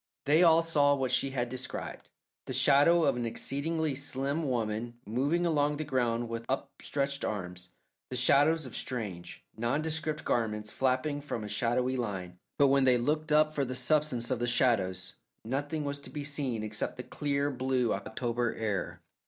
They all saw what she had described the shadow of an exceedingly slim woman moving along the ground with up stretched arms, the shadows of strange, nondescript garments flapping from a shadowy line, but when they looked up for the substance of the shadows nothing was to be seen except the clear, blue October air.